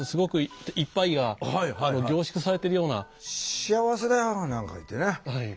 幸せだよなんか言ってね。